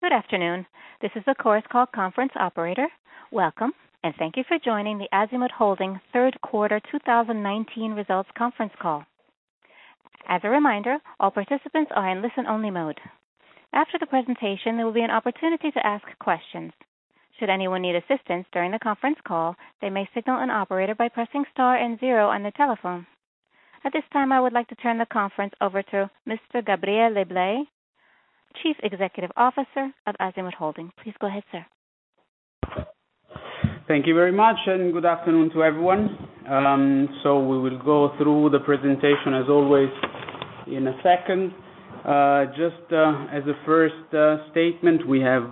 Good afternoon. This is the Chorus Call conference operator. Welcome, and thank you for joining the Azimut Holding third quarter 2019 results conference call. As a reminder, all participants are in listen-only mode. After the presentation, there will be an opportunity to ask questions. Should anyone need assistance during the conference call, they may signal an operator by pressing star and zero on their telephone. At this time, I would like to turn the conference over to Mr. Gabriele Blei, Chief Executive Officer of Azimut Holding. Please go ahead, sir. Thank you very much. Good afternoon to everyone. We will go through the presentation as always in a second. Just as a first statement, we have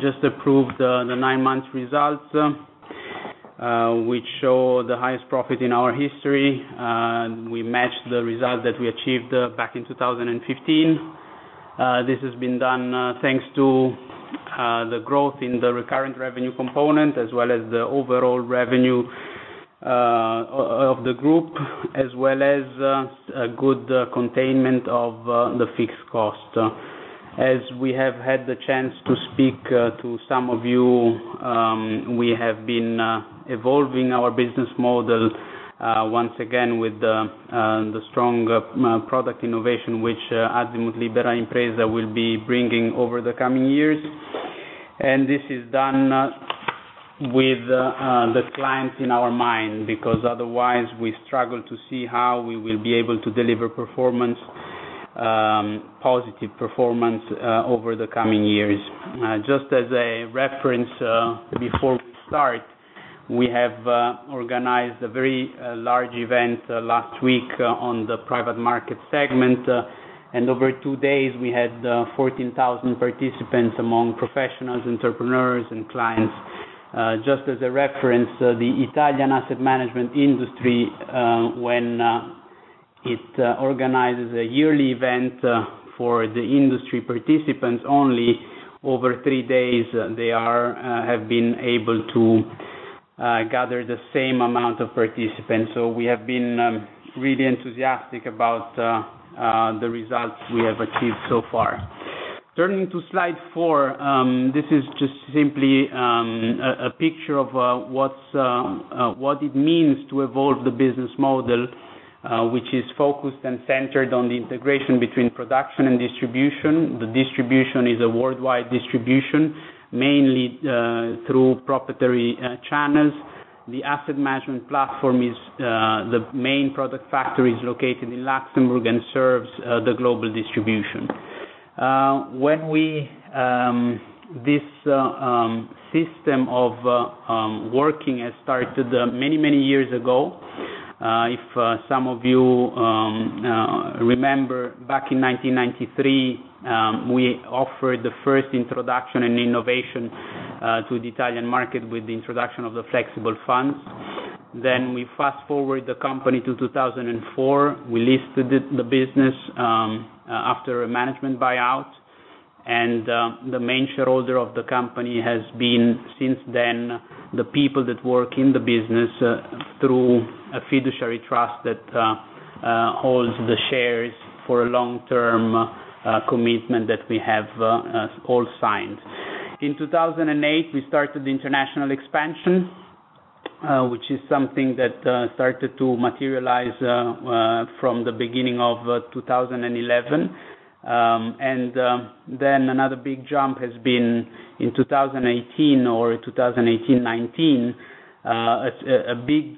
just approved the nine-month results, which show the highest profit in our history. We matched the result that we achieved back in 2015. This has been done thanks to the growth in the recurrent revenue component as well as the overall revenue of the group, as well as a good containment of the fixed cost. As we have had the chance to speak to some of you, we have been evolving our business model once again with the strong product innovation, which Azimut Libera Impresa will be bringing over the coming years. This is done with the clients in our mind, because otherwise we struggle to see how we will be able to deliver positive performance over the coming years. Just as a reference before we start, we have organized a very large event last week on the private market segment, and over two days, we had 14,000 participants among professionals, entrepreneurs, and clients. Just as a reference, the Italian asset management industry, when it organizes a yearly event for the industry participants only, over three days, they have been able to gather the same amount of participants. We have been really enthusiastic about the results we have achieved so far. Turning to slide four, this is just simply a picture of what it means to evolve the business model, which is focused and centered on the integration between production and distribution. The distribution is a worldwide distribution, mainly through proprietary channels. The asset management platform is the main product factory, is located in Luxembourg and serves the global distribution. This system of working has started many years ago. If some of you remember back in 1993, we offered the first introduction and innovation to the Italian market with the introduction of the flexible funds. We fast-forward the company to 2004. We listed the business after a management buyout, and the main shareholder of the company has been, since then, the people that work in the business through a fiduciary trust that holds the shares for a long-term commitment that we have all signed. In 2008, we started the international expansion, which is something that started to materialize from the beginning of 2011. Another big jump has been in 2018 or 2018-19, a big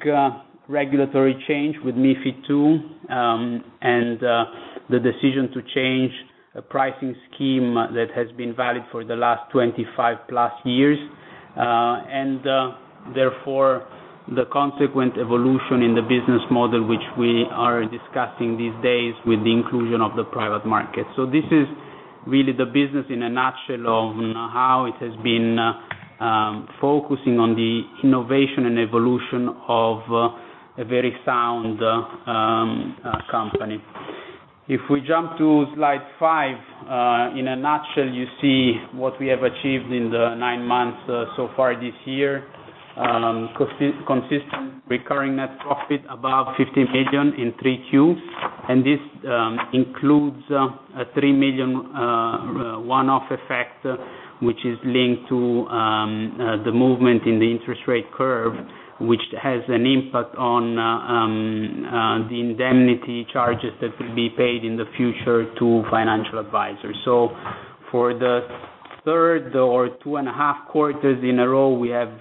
regulatory change with MiFID II, and the decision to change a pricing scheme that has been valid for the last 25-plus years. Therefore, the consequent evolution in the business model, which we are discussing these days with the inclusion of the private market. This is really the business in a nutshell of how it has been focusing on the innovation and evolution of a very sound company. If we jump to slide five, in a nutshell, you see what we have achieved in the nine months so far this year. Consistent recurring net profit above 50 million in three Qs. This includes a 3 million one-off effect, which is linked to the movement in the interest rate curve, which has an impact on the indemnity charges that will be paid in the future to Financial Advisors. For the third or two and a half quarters in a row, we have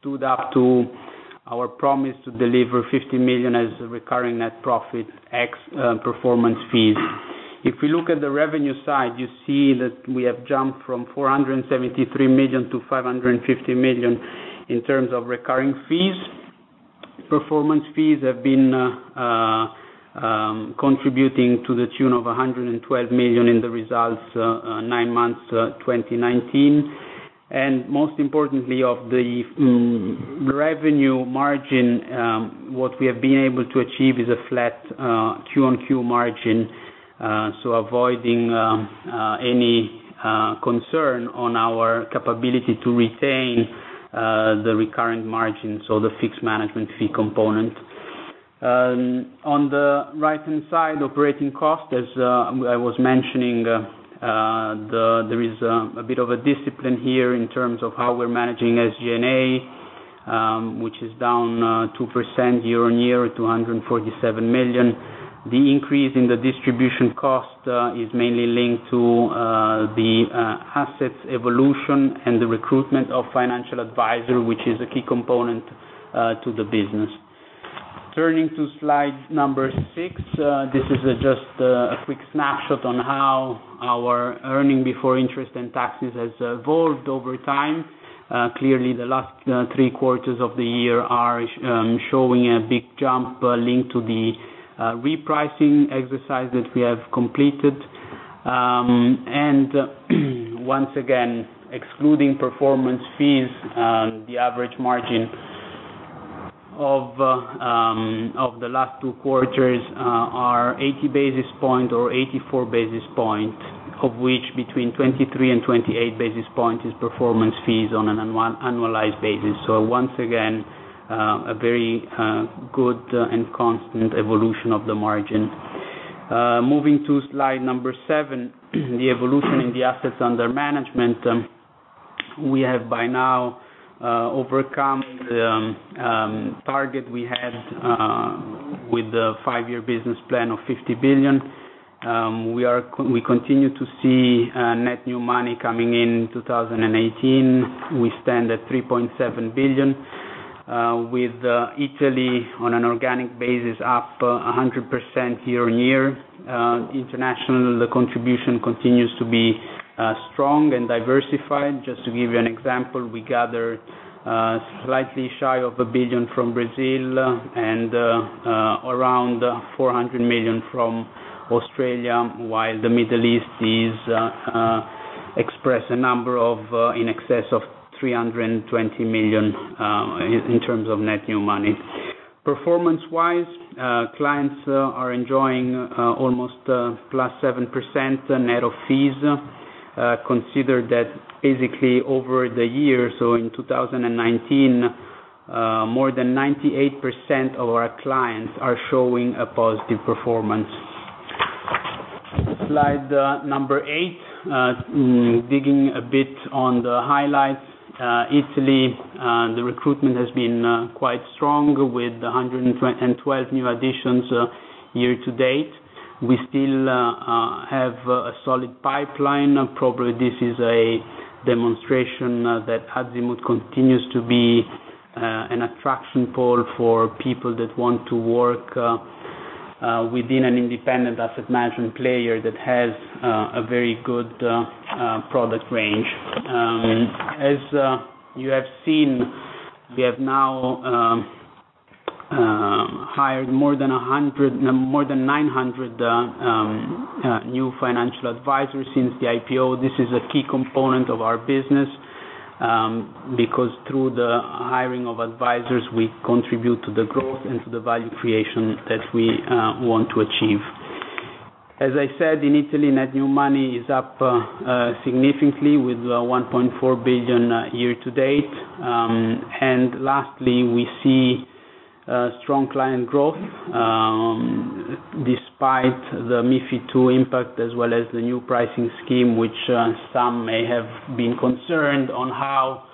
stood up to our promise to deliver 50 million as a recurring net profit ex performance fees. If we look at the revenue side, you see that we have jumped from 473 million to 550 million in terms of recurring fees. Performance fees have been contributing to the tune of 112 million in the results nine months 2019. Most importantly, of the revenue margin, what we have been able to achieve is a flat Q-on-Q margin, so avoiding any concern on our capability to retain the recurring margin, so the fixed management fee component. On the right-hand side, operating cost, as I was mentioning, there is a bit of a discipline here in terms of how we're managing SG&A, which is down 2% year-on-year to 147 million. The increase in the distribution cost is mainly linked to the assets evolution and the recruitment of financial advisor, which is a key component to the business. Turning to slide number six. This is just a quick snapshot on how our earning before interest and taxes has evolved over time. Clearly, the last three quarters of the year are showing a big jump linked to the repricing exercise that we have completed. Once again, excluding performance fees, the average margin of the last two quarters are 80 basis points or 84 basis points, of which between 23 and 28 basis points is performance fees on an annualized basis. Once again, a very good and constant evolution of the margin. Moving to slide number seven, the evolution in the assets under management. We have by now overcome the target we had with the five-year business plan of 50 billion. We continue to see net new money coming in 2018. We stand at 3.7 billion, with Italy on an organic basis up 100% year-over-year. Internationally, the contribution continues to be strong and diversified. Just to give you an example, we gathered slightly shy of 1 billion from Brazil and around 400 million from Australia, while the Middle East express a number in excess of 320 million in terms of net new money. Performance-wise, clients are enjoying almost +7% net of fees. Consider that basically over the year, so in 2019, more than 98% of our clients are showing a positive performance. Slide number eight, digging a bit on the highlights. Italy, the recruitment has been quite strong with 112 new additions year to date. We still have a solid pipeline. Probably this is a demonstration that Azimut continues to be an attraction pool for people that want to work within an independent asset management player that has a very good product range. As you have seen, we have now hired more than 900 new financial advisors since the IPO. This is a key component of our business, because through the hiring of advisors, we contribute to the growth and to the value creation that we want to achieve. As I said, in Italy, net new money is up significantly with 1.4 billion year to date. Lastly, we see strong client growth despite the MiFID II impact as well as the new pricing scheme, which some may have been concerned on how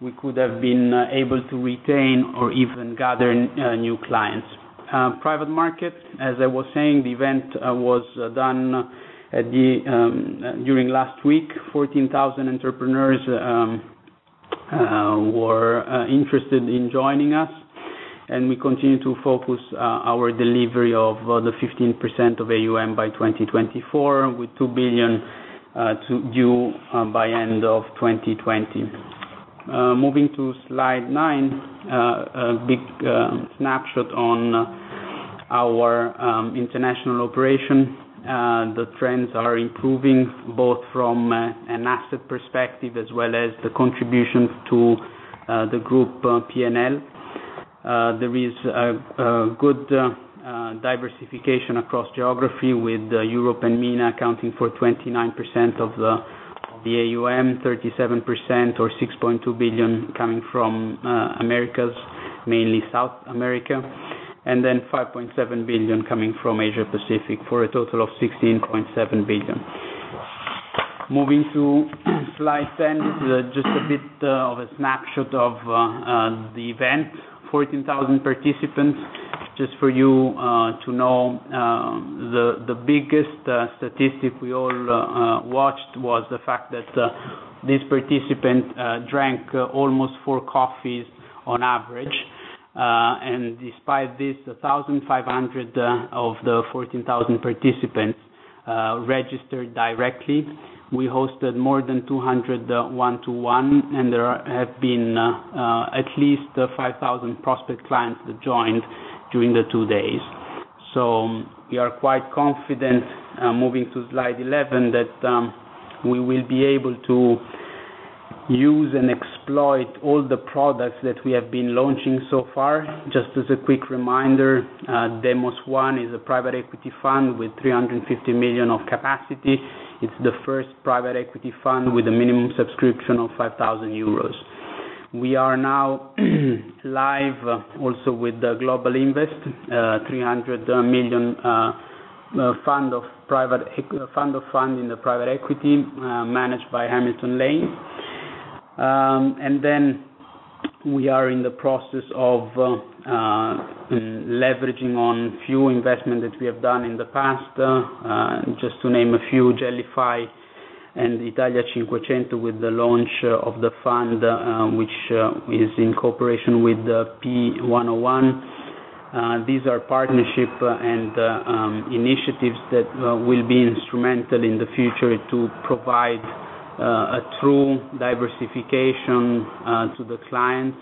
we could have been able to retain or even gather new clients. Private markets, as I was saying, the event was done during last week. 14,000 entrepreneurs were interested in joining us, we continue to focus our delivery of the 15% of AUM by 2024, with 2 billion due by end of 2020. Moving to slide nine, a big snapshot on our international operation. The trends are improving both from an asset perspective as well as the contribution to the group P&L. There is a good diversification across geography with Europe and MENA accounting for 29% of the AUM, 37% or 6.2 billion coming from Americas, mainly South America, and then 5.7 billion coming from Asia Pacific for a total of 16.7 billion. Moving to slide 10, just a bit of a snapshot of the event. 14,000 participants. Just for you to know, the biggest statistic we all watched was the fact that these participants drank almost four coffees on average. Despite this, 1,500 of the 14,000 participants registered directly. We hosted more than 200 one-to-one, and there have been at least 5,000 prospect clients that joined during the two days. We are quite confident, moving to slide 11, that we will be able to use and exploit all the products that we have been launching so far. Just as a quick reminder, Demos 1 is a private equity fund with 350 million of capacity. It's the first private equity fund with a minimum subscription of 5,000 euros. We are now live also with the Global Invest, 300 million fund of fund in the private equity managed by Hamilton Lane. We are in the process of leveraging on few investment that we have done in the past. Just to name a few, Gellify and Italia 500 with the launch of the fund, which is in cooperation with the P101. These are partnership and initiatives that will be instrumental in the future to provide a true diversification to the clients,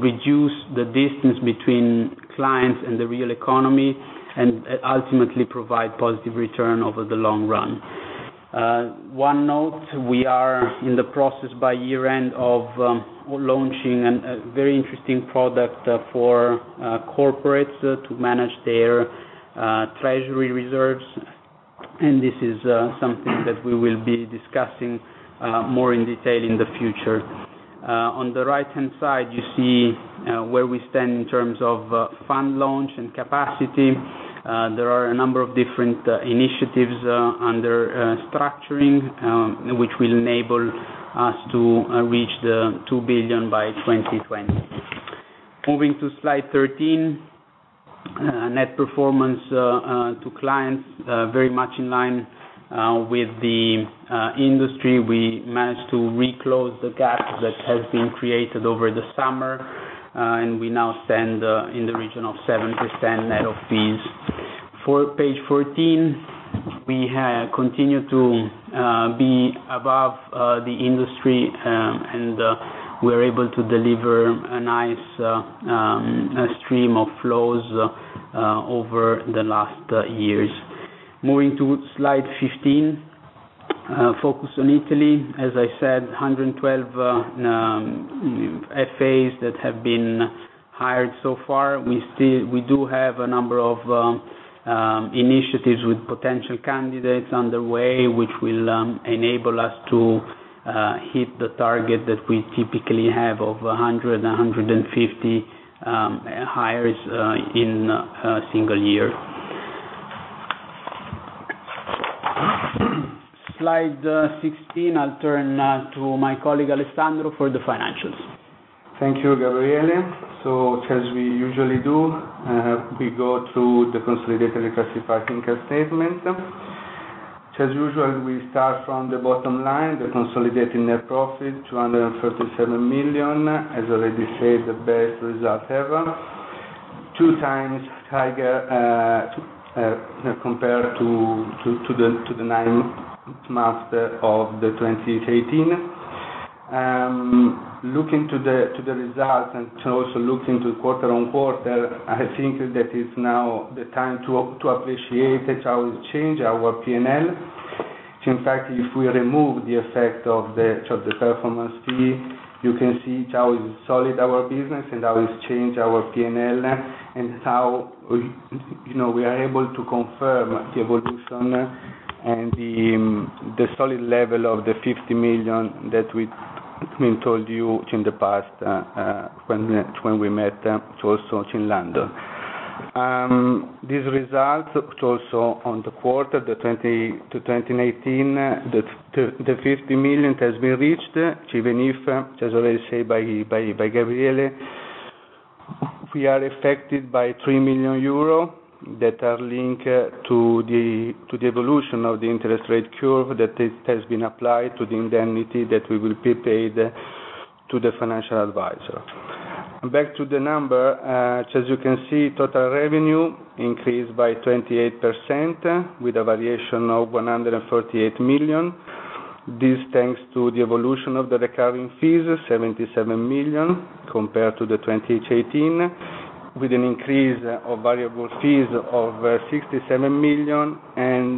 reduce the distance between clients and the real economy, and ultimately provide positive return over the long run. One note, we are in the process by year-end of launching a very interesting product for corporates to manage their treasury reserves. This is something that we will be discussing more in detail in the future. On the right-hand side, you see where we stand in terms of fund launch and capacity. There are a number of different initiatives under structuring, which will enable us to reach 2 billion by 2020. Moving to slide 13. Net performance to clients, very much in line with the industry. We managed to reclose the gap that has been created over the summer, and we now stand in the region of 7% net of fees. For page 14, we continue to be above the industry, and we're able to deliver a nice stream of flows over the last years. Moving to slide 15. Focus on Italy, as I said, 112 FAs that have been hired so far. We do have a number of initiatives with potential candidates on the way, which will enable us to hit the target that we typically have of 100, 150 hires in a single year. Slide 16. I'll turn now to my colleague, Alessandro, for the financials. Thank you, Gabriele. As we usually do, we go to the consolidated reclassified income statement. As usual, we start from the bottom line, the consolidated net profit, 237 million, as already said, the best result ever. Two times higher compared to the ninth month of the 2018. Looking to the results and also looking to quarter-on-quarter, I think that is now the time to appreciate how it change our P&L. If we remove the effect of the performance fee, you can see how is solid our business and how is changed our P&L, and how we are able to confirm the evolution and the solid level of 50 million that we told you in the past, when we met also in London. These results also on the quarter to 2019, the 50 million has been reached, even if, as already said by Gabriele, we are affected by 3 million euro that are linked to the evolution of the interest rate curve that has been applied to the indemnity that we will be paid to the Financial Advisor. Back to the number. As you can see, total revenue increased by 28% with a variation of 148 million. This thanks to the evolution of the recurring fees, 77 million compared to the 2018, with an increase of variable fees of 67 million and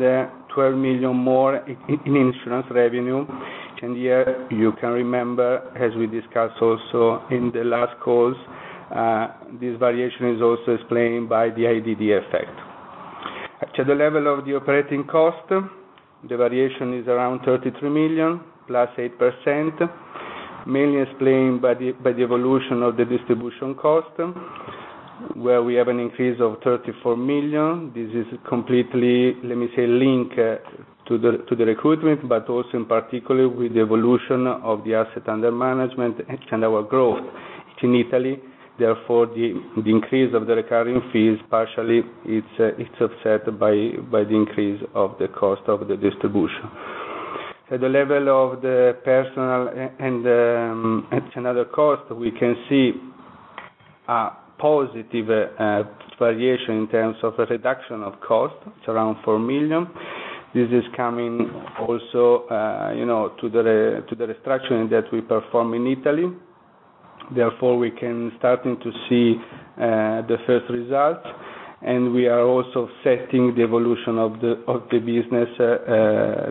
12 million more in insurance revenue. Here you can remember, as we discussed also in the last calls, this variation is also explained by the IDD effect. To the level of the operating cost, the variation is around 33 million plus 8%, mainly explained by the evolution of the distribution cost, where we have an increase of 34 million. This is completely, let me say, linked to the recruitment, also in particular with the evolution of the asset under management and our growth in Italy. The increase of the recurring fee is partially it's offset by the increase of the cost of the distribution. At the level of the personal and another cost, we can see a positive variation in terms of a reduction of cost. It's around 4 million. This is coming also to the restructuring that we perform in Italy. We can starting to see the first result. We are also setting the evolution of the business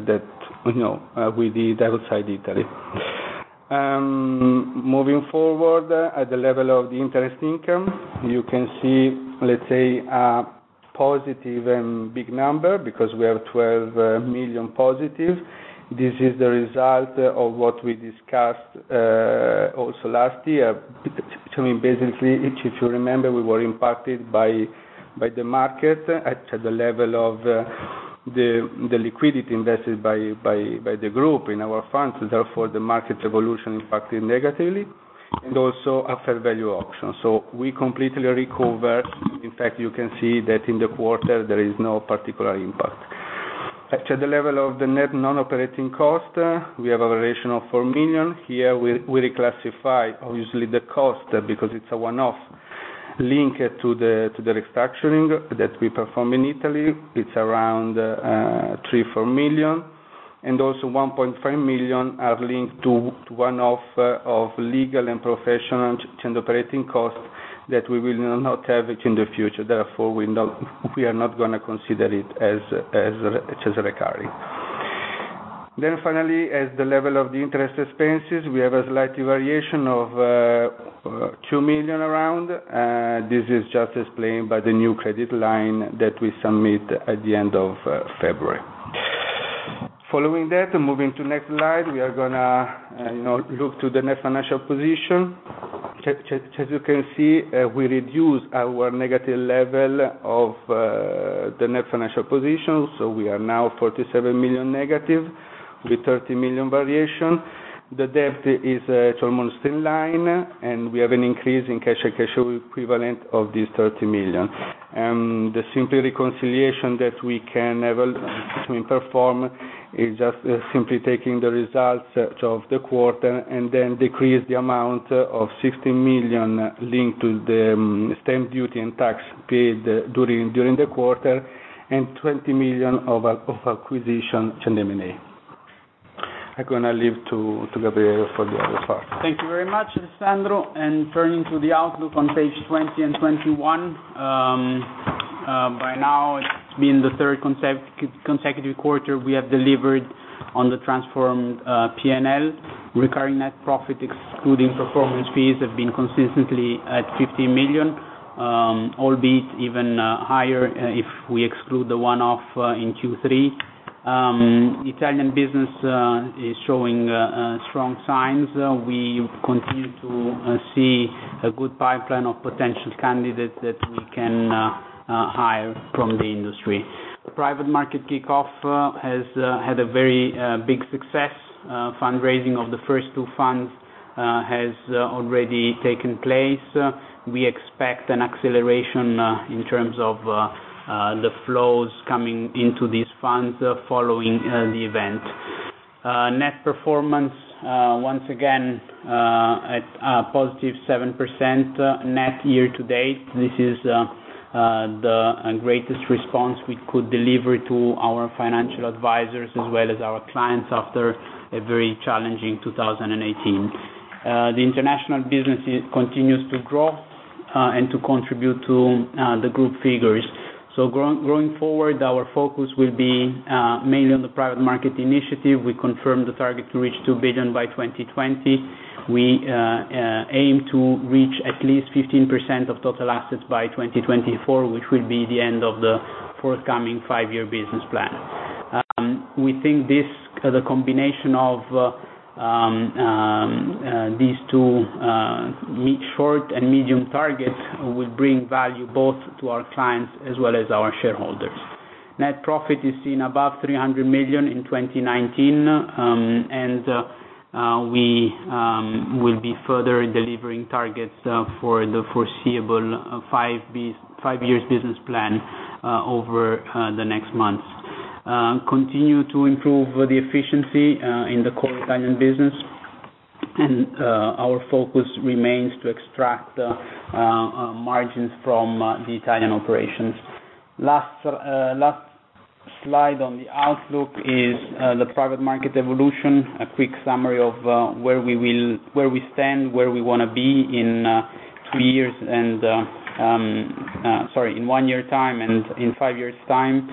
that we did outside Italy. Moving forward at the level of the interest income. You can see, let's say, a positive and big number because we are 12 million positive. This is the result of what we discussed also last year. If you remember, we were impacted by the market at the level of the liquidity invested by the group in our funds. The market evolution impacted negatively and also a fair value option. We completely recovered. You can see that in the quarter, there is no particular impact. At the level of the net non-operating cost, we have a variation of 4 million. Here, we reclassify, obviously, the cost because it's a one-off linked to the restructuring that we perform in Italy. It's around 3 million-4 million. Also 1.5 million are linked to one-off of legal and professional and operating costs that we will not have in the future. We are not going to consider it as recurring. Finally, at the level of the interest expenses, we have a slight variation of 2 million around. This is just explained by the new credit line that we submit at the end of February. Moving to next slide, we are going to look to the net financial position. As you can see, we reduced our negative level of the net financial position. We are now 47 million negative with 30 million variation. The debt is almost in line, and we have an increase in cash and cash equivalent of this 30 million. The simple reconciliation that we can perform is just simply taking the results of the quarter and then decrease the amount of 16 million linked to the stamp duty and tax paid during the quarter, and 20 million of acquisition to NME. I'm going to leave to Gabriele for the other part. Thank you very much, Alessandro. Turning to the outlook on page 20 and 21. By now, it's been the third consecutive quarter we have delivered on the transformed P&L. Recurring net profit excluding performance fees have been consistently at 50 million, albeit even higher if we exclude the one-off in Q3. Italian business is showing strong signs. We continue to see a good pipeline of potential candidates that we can hire from the industry. The private market kickoff has had a very big success. Fundraising of the first two funds has already taken place. We expect an acceleration in terms of the flows coming into these funds following the event. Net performance, once again, at a positive 7% net year to date. This is the greatest response we could deliver to our financial advisors as well as our clients after a very challenging 2018. The international business continues to grow, and to contribute to the group figures. Going forward, our focus will be mainly on the private market initiative. We confirm the target to reach 2 billion by 2020. We aim to reach at least 15% of total assets by 2024, which will be the end of the forthcoming five-year business plan. We think the combination of these two short and medium targets will bring value both to our clients as well as our shareholders. Net profit is seen above 300 million in 2019, and we will be further delivering targets for the foreseeable five years business plan over the next months. Continue to improve the efficiency in the core Italian business, and our focus remains to extract margins from the Italian operations. Last slide on the outlook is the private market evolution. A quick summary of where we stand, where we want to be in three years and Sorry, in one year time and in five years time.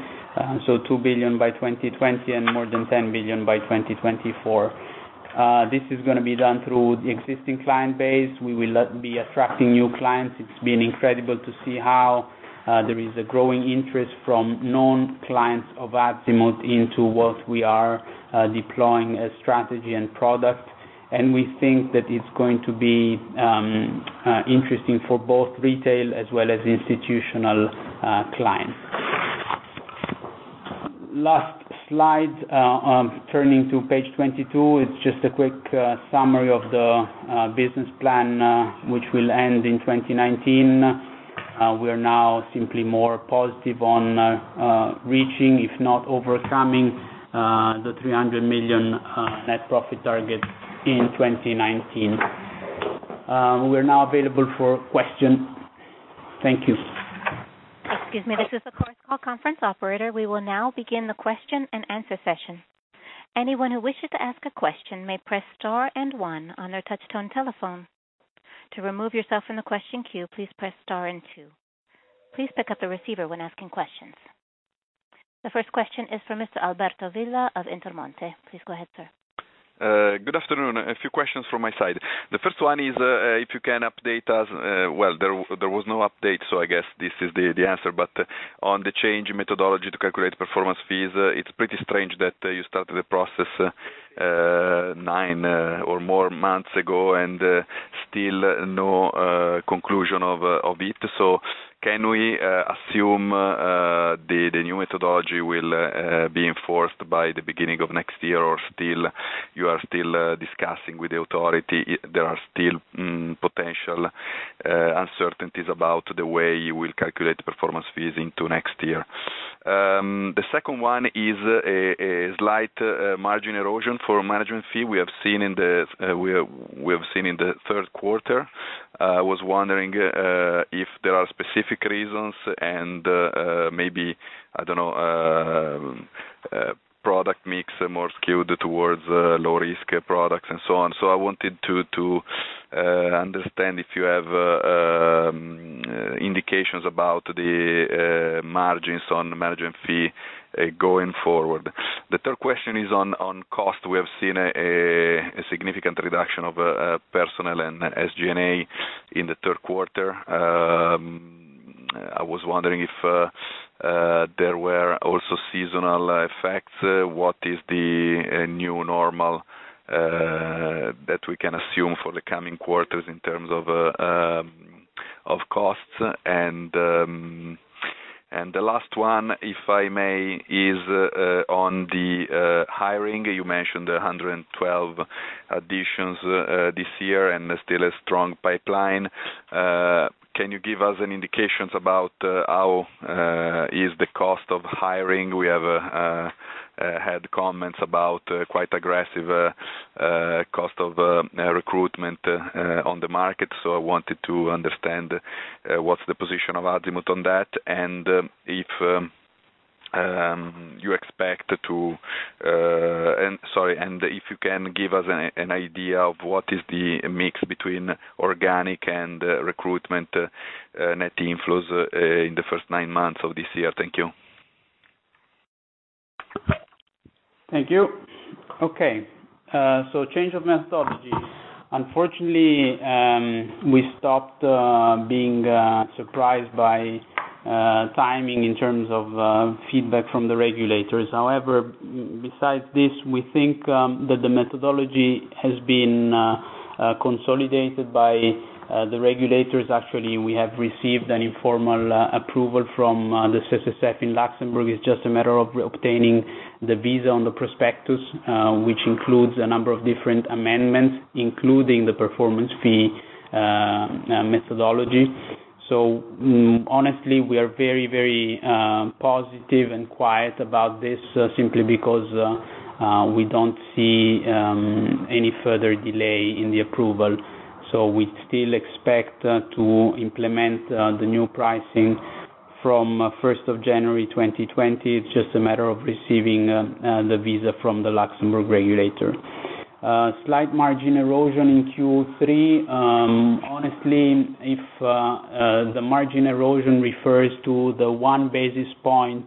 2 billion by 2020 and more than 10 billion by 2024. This is going to be done through the existing client base. We will be attracting new clients. It's been incredible to see how there is a growing interest from non-clients of Azimut into what we are deploying as strategy and product. We think that it's going to be interesting for both retail as well as institutional clients. Last slide, turning to page 22. It's just a quick summary of the business plan, which will end in 2019. We are now simply more positive on reaching, if not overcoming, the 300 million net profit target in 2019. We're now available for question. Thank you. Excuse me. This is the Chorus Call conference operator. We will now begin the question and answer session. Anyone who wishes to ask a question may press star and one on their touch-tone telephone. To remove yourself from the question queue, please press star and two. Please pick up the receiver when asking questions. The first question is for Mr. Alberto Villa of Intermonte. Please go ahead, sir. Good afternoon. A few questions from my side. The first one is, if you can update us. Well, there was no update, so I guess this is the answer, but on the change in methodology to calculate performance fees, it's pretty strange that you started the process nine or more months ago, and still no conclusion of it. Can we assume the new methodology will be enforced by the beginning of next year? You are still discussing with the authority, there are still potential uncertainties about the way you will calculate the performance fees into next year. The second one is a slight margin erosion for management fee we have seen in the third quarter. I was wondering if there are specific reasons and maybe, I don't know, product mix more skewed towards low-risk products and so on. I wanted to understand if you have indications about the margins on management fee going forward. The third question is on cost. We have seen a significant reduction of personnel and SG&A in the third quarter. I was wondering if there were also seasonal effects. What is the new normal that we can assume for the coming quarters in terms of costs? The last one, if I may, is on the hiring. You mentioned 112 additions this year and still a strong pipeline. Can you give us any indications about how is the cost of hiring? We have had comments about quite aggressive cost of recruitment on the market, so I wanted to understand what's the position of Azimut on that, and if you can give us an idea of what is the mix between organic and recruitment net inflows in the first nine months of this year. Thank you. Thank you. Okay. Change of methodology. Unfortunately, we stopped being surprised by timing in terms of feedback from the regulators. However, besides this, we think that the methodology has been consolidated by the regulators. Actually, we have received an informal approval from the CSSF in Luxembourg. It's just a matter of obtaining the visa on the prospectus, which includes a number of different amendments, including the performance fee methodology. Honestly, we are very, very positive and quiet about this simply because we don't see any further delay in the approval. We still expect to implement the new pricing from 1st of January 2020. It's just a matter of receiving the visa from the Luxembourg regulator. Slight margin erosion in Q3. Honestly, if the margin erosion refers to the one basis point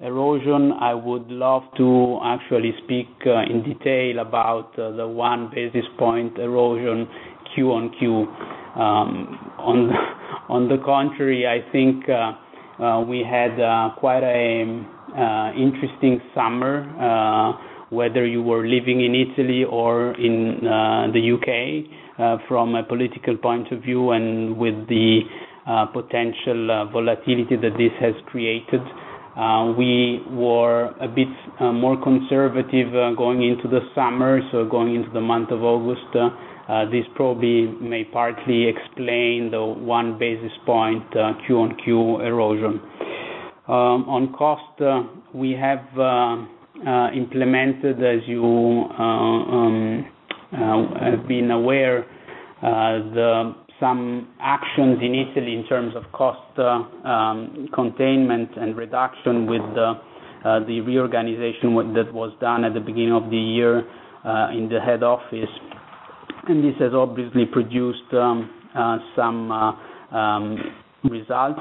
erosion, I would love to actually speak in detail about the one basis point erosion Q on Q. On the contrary, I think we had quite an interesting summer, whether you were living in Italy or in the U.K., from a political point of view, and with the potential volatility that this has created. We were a bit more conservative going into the summer, going into the month of August. This probably may partly explain the one basis point Q on Q erosion. On cost, we have implemented, as you have been aware, some actions in Italy in terms of cost containment and reduction with the reorganization that was done at the beginning of the year in the head office. This has obviously produced some results.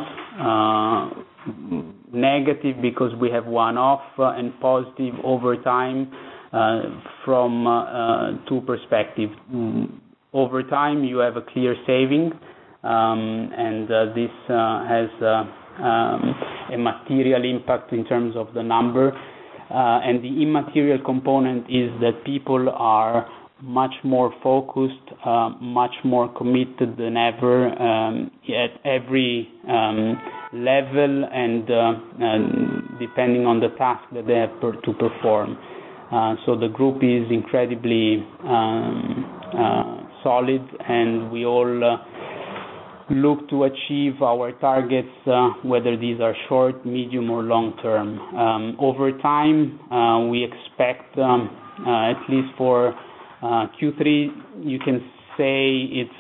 Negative because we have one-off, positive over time from two perspective. Over time, you have a clear saving, and this has a material impact in terms of the number. The immaterial component is that people are much more focused, much more committed than ever at every level, and depending on the task that they have to perform. The group is incredibly solid, and we all look to achieve our targets, whether these are short, medium, or long-term. Over time, we expect, at least for Q3, you can say it's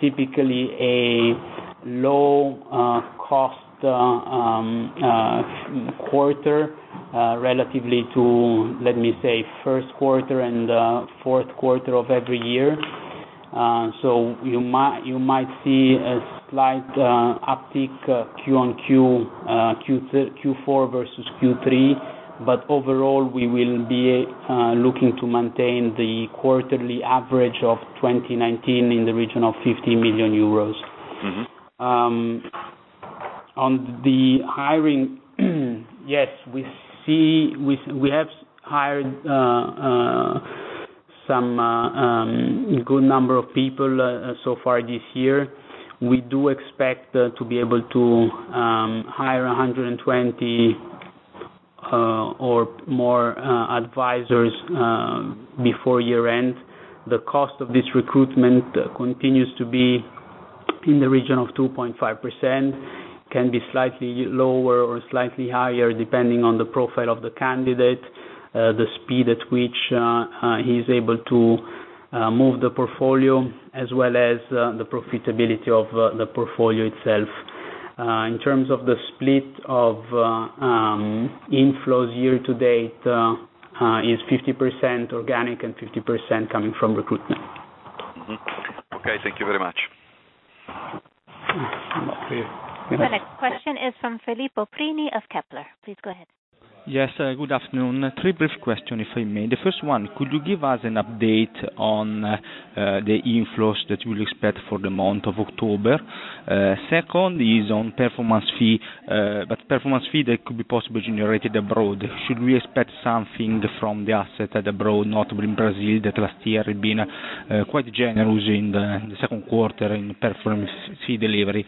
typically a low-cost quarter relatively to, let me say, first quarter and fourth quarter of every year. You might see a slight uptick Q4 versus Q3. Overall, we will be looking to maintain the quarterly average of 2019 in the region of 50 million euros. On the hiring, yes, we have hired some good number of people so far this year. We do expect to be able to hire 120 or more advisors before year-end. The cost of this recruitment continues to be in the region of 2.5%, can be slightly lower or slightly higher depending on the profile of the candidate, the speed at which he's able to move the portfolio, as well as the profitability of the portfolio itself. In terms of the split of inflows year to date, is 50% organic and 50% coming from recruitment. Okay, thank you very much. Not clear. The next question is from Filippo Prini of Kepler. Please go ahead. Yes, good afternoon. Three brief questions, if I may. The first one, could you give us an update on the inflows that you will expect for the month of October? Second is on performance fee, performance fee that could be possibly generated abroad. Should we expect something from the assets abroad, notably in Brazil, that last year had been quite generous in the second quarter in performance fee delivery?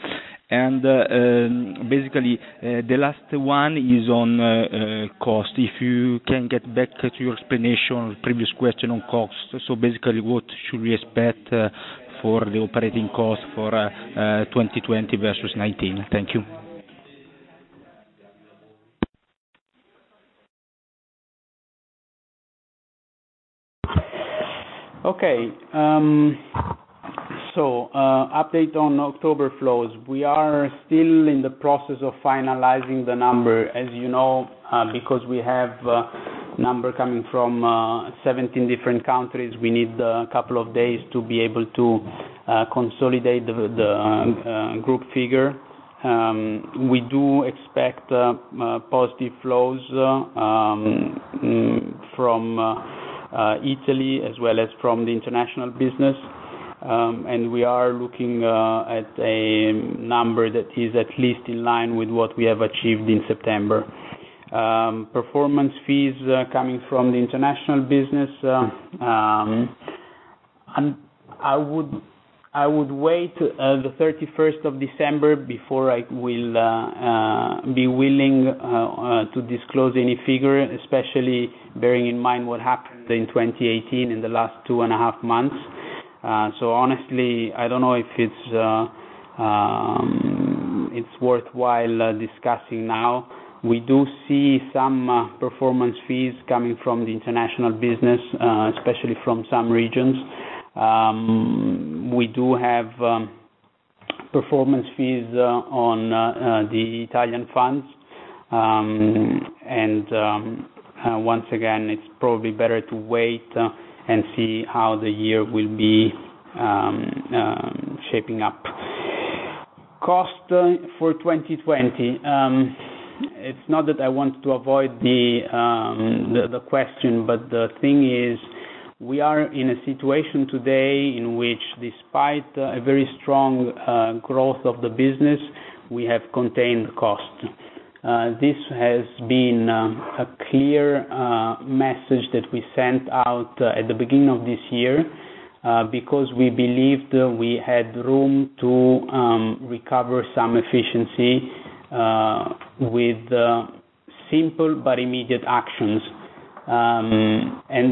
The last one is on costs. If you can get back to your explanation on the previous question on costs. What should we expect for the operating costs for 2020 versus 2019? Thank you. Update on October flows. We are still in the process of finalizing the numbers, as you know, because we have numbers coming from 17 different countries. We need a couple of days to be able to consolidate the group figure. We do expect positive flows from Italy as well as from the international business. We are looking at a number that is at least in line with what we have achieved in September. Performance fees coming from the international business. I would wait the 31st of December before I will be willing to disclose any figure, especially bearing in mind what happened in 2018 in the last two and a half months. Honestly, I don't know if it's worthwhile discussing now. We do see some performance fees coming from the international business, especially from some regions. We do have performance fees on the Italian funds. Once again, it's probably better to wait and see how the year will be shaping up. Cost for 2020. It's not that I want to avoid the question, but the thing is, we are in a situation today in which despite a very strong growth of the business, we have contained cost. This has been a clear message that we sent out at the beginning of this year, because we believed we had room to recover some efficiency with simple but immediate actions.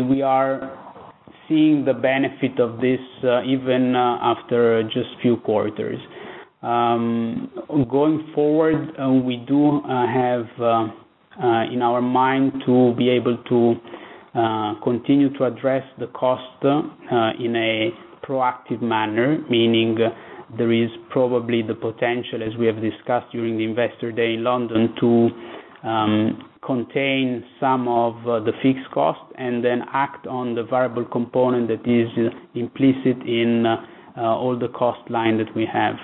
We are seeing the benefit of this even after just few quarters. Going forward, we do have in our mind to be able to continue to address the cost in a proactive manner, meaning there is probably the potential, as we have discussed during the Investor Day in London, to contain some of the fixed cost and then act on the variable component that is implicit in all the cost line that we have.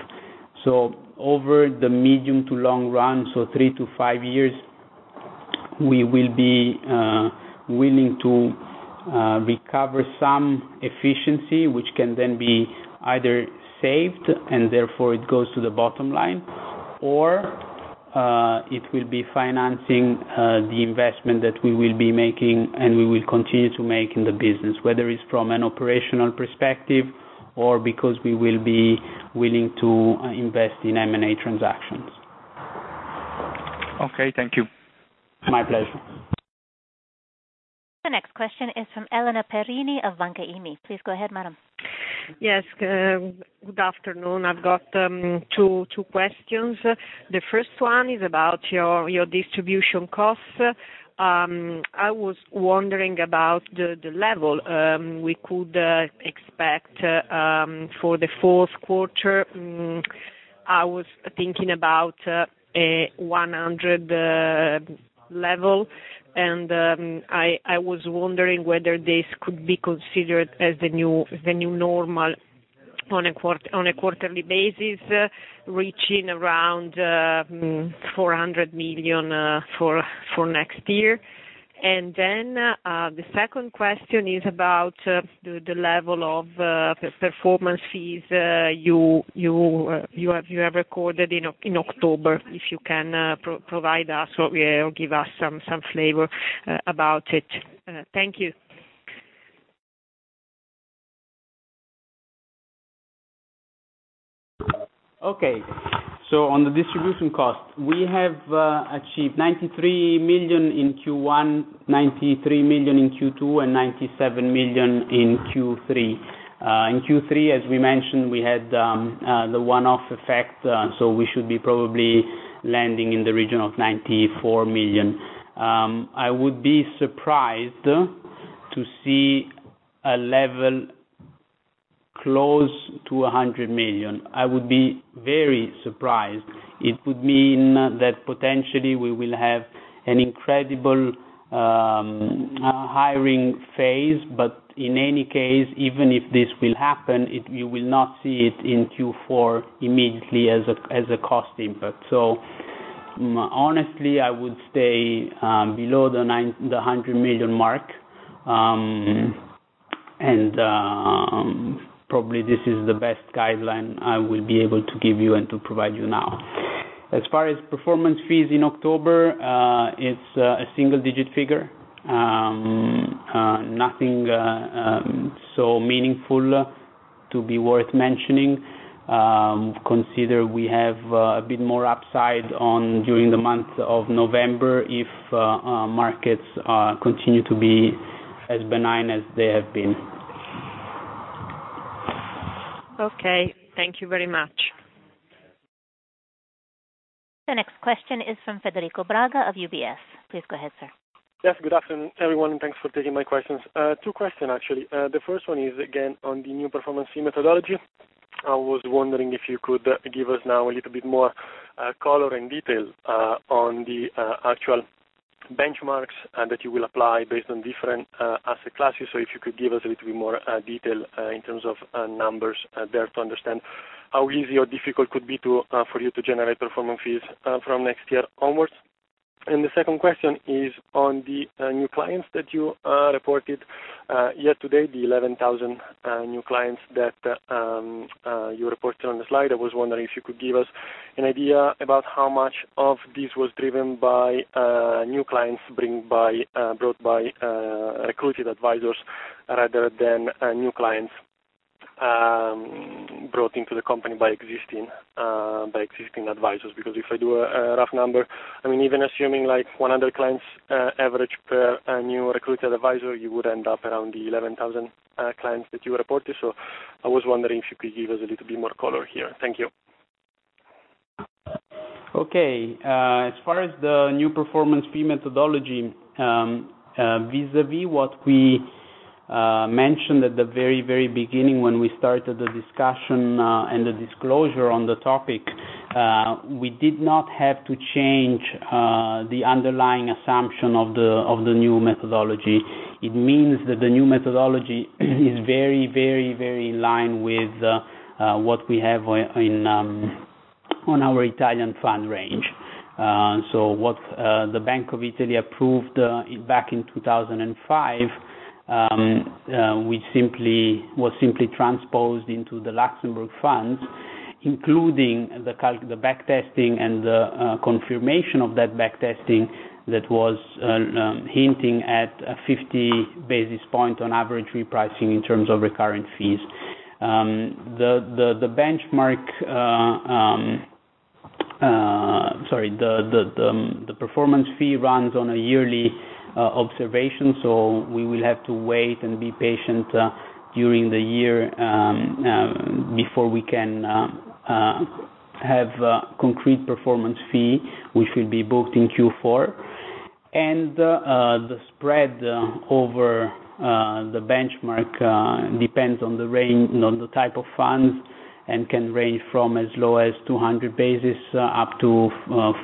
Over the medium to long run, 3-5 years, we will be willing to recover some efficiency, which can then be either saved, and therefore it goes to the bottom line, or it will be financing the investment that we will be making, and we will continue to make in the business, whether it's from an operational perspective or because we will be willing to invest in M&A transactions. Okay, thank you. My pleasure. The next question is from Elena Perini of Banca IMI. Please go ahead, madam. Yes. Good afternoon. I've got two questions. The first one is about your distribution costs. I was wondering about the level we could expect for the fourth quarter. I was thinking about 100 million level, I was wondering whether this could be considered as the new normal on a quarterly basis, reaching around 400 million for next year. The second question is about the level of performance fees you have recorded in October, if you can provide us or give us some flavor about it. Thank you. Okay. On the distribution cost, we have achieved 93 million in Q1, 93 million in Q2, and 97 million in Q3. In Q3, as we mentioned, we had the one-off effect, we should be probably landing in the region of 94 million. I would be surprised to see a level close to 100 million. I would be very surprised. It would mean that potentially we will have an incredible hiring phase. In any case, even if this will happen, you will not see it in Q4 immediately as a cost impact. Honestly, I would stay below the 100 million mark. Probably this is the best guideline I will be able to give you and to provide you now. As far as performance fees in October, it's a single-digit figure. Nothing so meaningful to be worth mentioning. Consider we have a bit more upside on during the month of November if markets continue to be as benign as they have been. Okay. Thank you very much. The next question is from Federico Braga of UBS. Please go ahead, sir. Yes, good afternoon, everyone. Thanks for taking my questions. Two question, actually. The first one is again on the new performance fee methodology. I was wondering if you could give us now a little bit more color and detail on the actual benchmarks and that you will apply based on different asset classes. If you could give us a little bit more detail in terms of numbers there to understand how easy or difficult could be for you to generate performance fees from next year onwards. The second question is on the new clients that you reported year to date, the 11,000 new clients that you reported on the slide. I was wondering if you could give us an idea about how much of this was driven by new clients brought by recruited advisors rather than new clients brought into the company by existing advisors. If I do a rough number, even assuming 100 clients average per new recruited advisor, you would end up around the 11,000 clients that you reported. I was wondering if you could give us a little bit more color here. Thank you. Okay. As far as the new performance fee methodology, vis-a-vis what we mentioned at the very, very beginning when we started the discussion and the disclosure on the topic, we did not have to change the underlying assumption of the new methodology. It means that the new methodology is very in line with what we have on our Italian fund range. What the Bank of Italy approved back in 2005, was simply transposed into the Luxembourg funds, including the back testing and the confirmation of that back testing that was hinting at a 50 basis point on average repricing in terms of recurring fees. The benchmark Sorry, the performance fee runs on a yearly observation, so we will have to wait and be patient during the year before we can have concrete performance fee, which will be booked in Q4. The spread over the benchmark depends on the type of funds, and can range from as low as 200 basis up to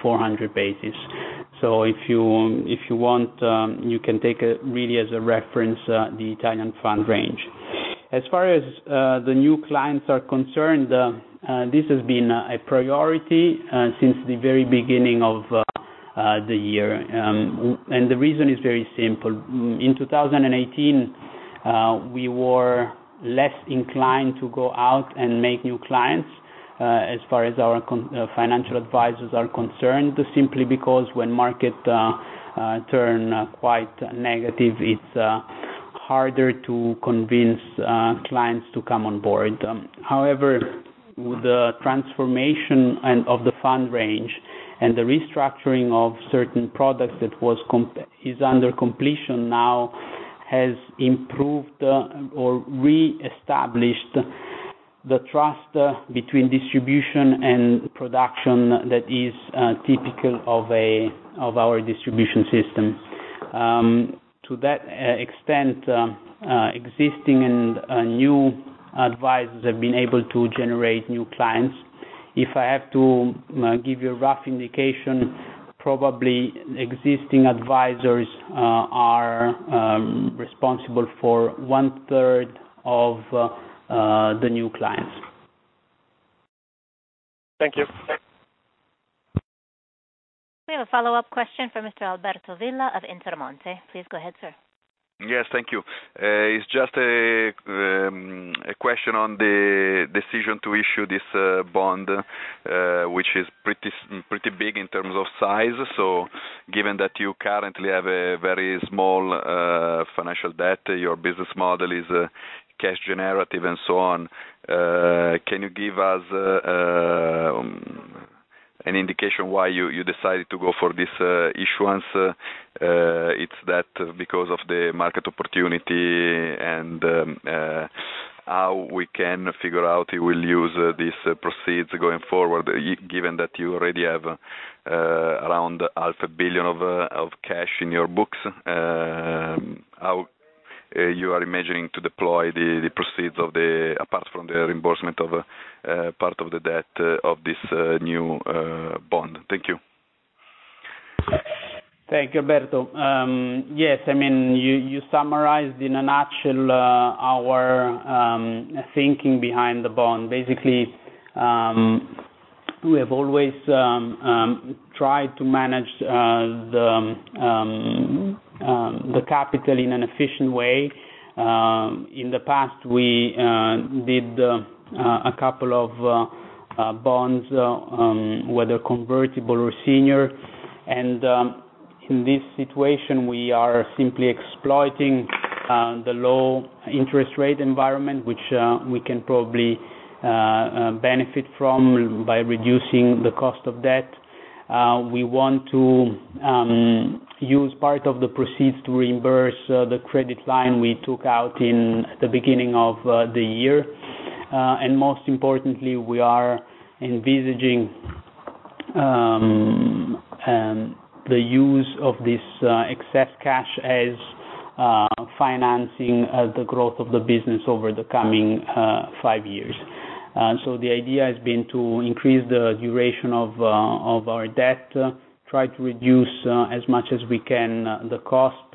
400 basis. If you want, you can take it really as a reference, the Italian fund range. As far as the new clients are concerned, this has been a priority since the very beginning of the year. The reason is very simple. In 2018, we were less inclined to go out and make new clients, as far as our Financial Advisors are concerned, simply because when market turn quite negative, it's harder to convince clients to come on board. The transformation of the fund range and the restructuring of certain products that is under completion now has improved or re-established the trust between distribution and production that is typical of our distribution system. To that extent, existing and new advisors have been able to generate new clients. If I have to give you a rough indication, probably existing advisors are responsible for one third of the new clients. Thank you. We have a follow-up question from Mr. Alberto Villa of Intermonte. Please go ahead, sir. Yes, thank you. It's just a question on the decision to issue this bond, which is pretty big in terms of size. Given that you currently have a very small financial debt, your business model is cash generative and so on, can you give us an indication why you decided to go for this issuance? Is that because of the market opportunity? How we can figure out you will use these proceeds going forward, given that you already have around half a billion EUR of cash in your books. How you are imagining to deploy the proceeds, apart from the reimbursement of part of the debt of this new bond? Thank you. Thank you, Alberto. Yes, you summarized in a nutshell our thinking behind the bond. Basically, we have always tried to manage the capital in an efficient way. In the past, we did a couple of bonds, whether convertible or senior. In this situation, we are simply exploiting the low interest rate environment, which we can probably benefit from by reducing the cost of debt. We want to use part of the proceeds to reimburse the credit line we took out in the beginning of the year. Most importantly, we are envisaging the use of this excess cash as financing the growth of the business over the coming five years. The idea has been to increase the duration of our debt, try to reduce as much as we can the cost,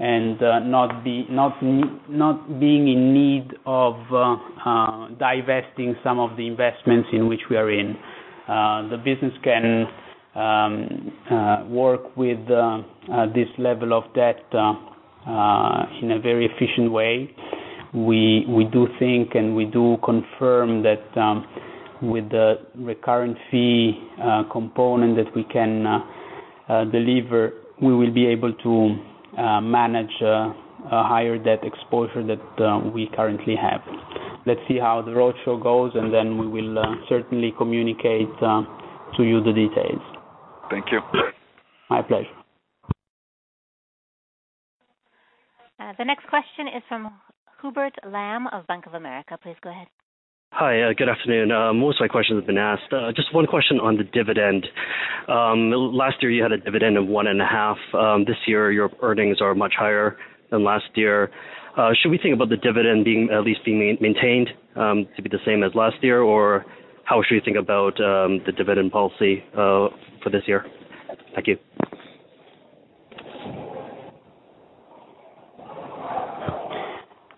and not being in need of divesting some of the investments in which we are in. The business can work with this level of debt in a very efficient way. We do think, and we do confirm that with the recurrent fee component that we can deliver, we will be able to manage a higher debt exposure that we currently have. Let's see how the roadshow goes, and then we will certainly communicate to you the details. Thank you. My pleasure. The next question is from Hubert Lam of Bank of America. Please go ahead. Hi. Good afternoon. Most of my questions have been asked. Just one question on the dividend. Last year, you had a dividend of one and a half. This year, your earnings are much higher than last year. Should we think about the dividend at least being maintained to be the same as last year? How should we think about the dividend policy for this year? Thank you.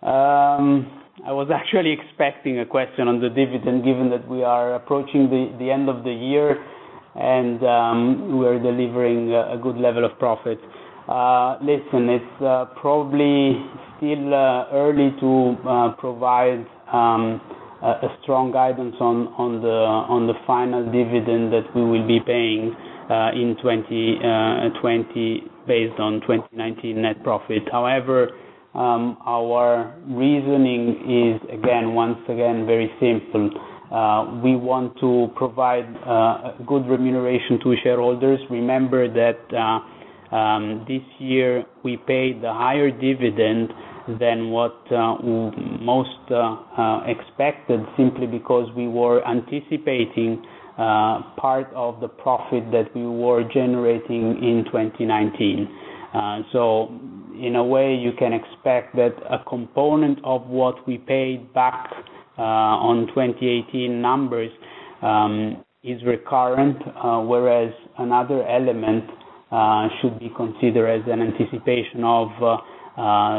I was actually expecting a question on the dividend, given that we are approaching the end of the year. We're delivering a good level of profit. Listen, it's probably still early to provide a strong guidance on the final dividend that we will be paying in 2020 based on 2019 net profit. Our reasoning is, once again, very simple. We want to provide good remuneration to shareholders. Remember that this year, we paid a higher dividend than what most expected, simply because we were anticipating part of the profit that we were generating in 2019. In a way, you can expect that a component of what we paid back on 2018 numbers is recurrent. Whereas another element should be considered as an anticipation of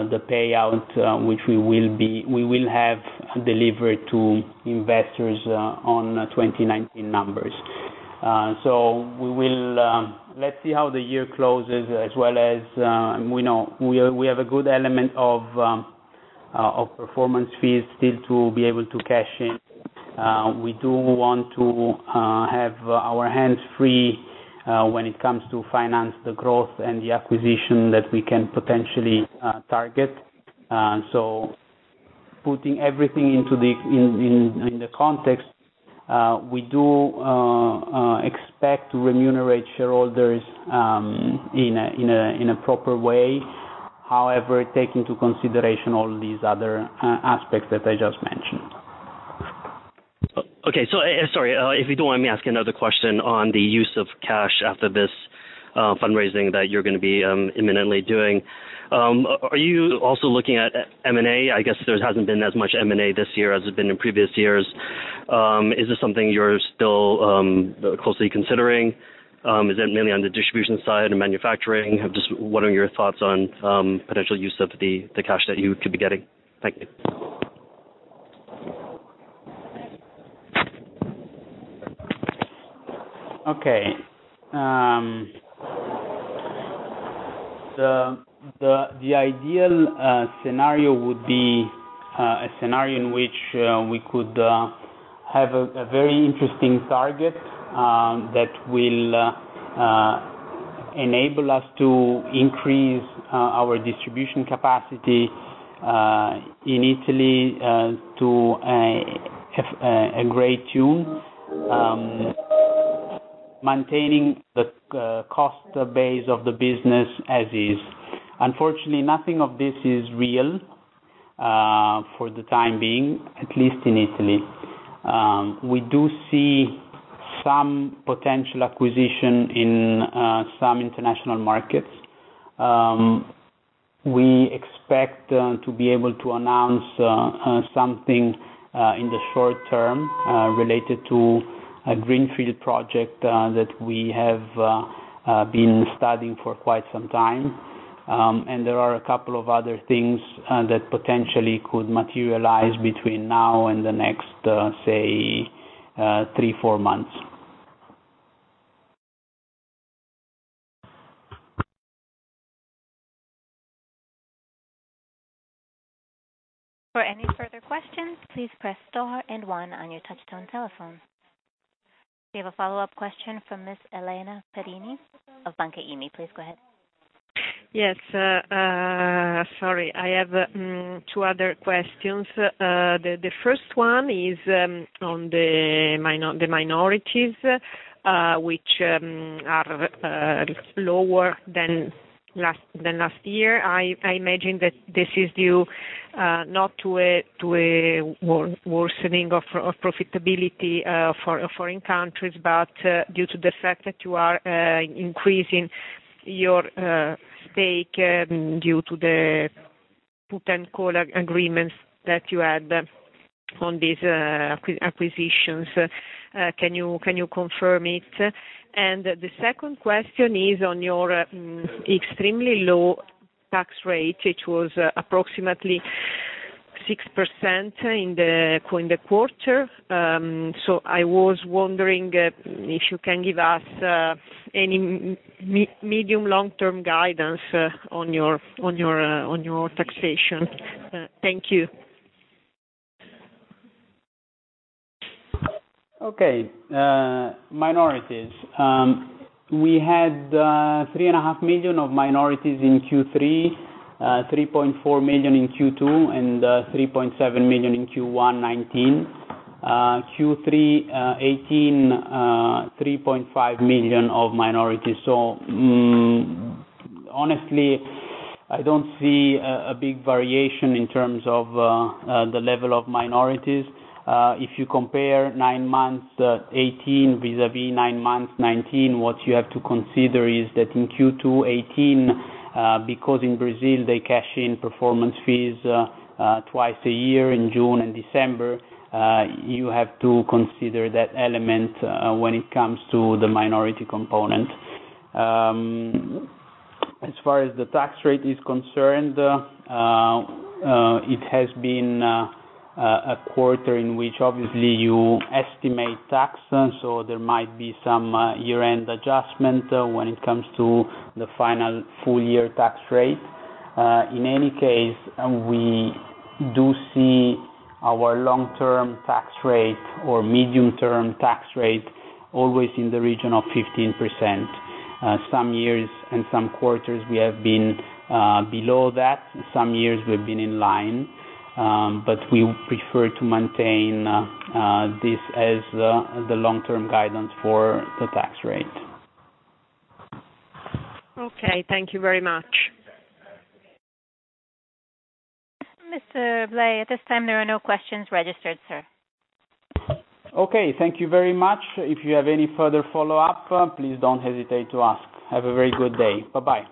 the payout, which we will have delivered to investors on 2019 numbers. Let's see how the year closes, as well as we have a good element of performance fees still to be able to cash in. We do want to have our hands free when it comes to finance the growth and the acquisition that we can potentially target. Putting everything in the context, we do expect to remunerate shareholders in a proper way. However, take into consideration all these other aspects that I just mentioned. Okay. Sorry, if you don't mind me asking another question on the use of cash after this fundraising that you're going to be imminently doing. Are you also looking at M&A? I guess there hasn't been as much M&A this year as there's been in previous years. Is this something you're still closely considering? Is it mainly on the distribution side and manufacturing? What are your thoughts on potential use of the cash that you could be getting? Thank you. Okay. The ideal scenario would be a scenario in which we could have a very interesting target that will enable us to increase our distribution capacity in Italy to a great tune, maintaining the cost base of the business as is. Unfortunately, nothing of this is real for the time being, at least in Italy. We do see some potential acquisition in some international markets. We expect to be able to announce something in the short term related to a greenfield project that we have been studying for quite some time. There are a couple of other things that potentially could materialize between now and the next, say, three, four months. For any further questions, please press star and one on your touch-tone telephone. We have a follow-up question from Ms. Elena Perini of Banca IMI. Please go ahead. Yes. Sorry. I have two other questions. The first one is on the minorities, which are lower than last year. I imagine that this is due, not to a worsening of profitability for foreign countries, but due to the fact that you are increasing your stake due to the put and call agreements that you had on these acquisitions. Can you confirm it? The second question is on your extremely low tax rate, which was approximately 6% in the quarter. I was wondering if you can give us any medium long-term guidance on your taxation. Thank you. Okay. Minorities. We had 3.5 million of minorities in Q3, 3.4 million in Q2, and 3.7 million in Q1 2019. Q3 2018, 3.5 million of minorities. Honestly, I don't see a big variation in terms of the level of minorities. If you compare nine months 2018 vis-a-vis nine months 2019, what you have to consider is that in Q2 2018, because in Brazil they cash in performance fees twice a year, in June and December, you have to consider that element when it comes to the minority component. As far as the tax rate is concerned, it has been a quarter in which obviously you estimate taxes. There might be some year-end adjustment when it comes to the final full-year tax rate. In any case, we do see our long-term tax rate or medium-term tax rate always in the region of 15%. Some years and some quarters, we have been below that. Some years we've been in line. We prefer to maintain this as the long-term guidance for the tax rate. Okay. Thank you very much. Mr. Blei, at this time, there are no questions registered, sir. Okay. Thank you very much. If you have any further follow-up, please don't hesitate to ask. Have a very good day. Bye-bye.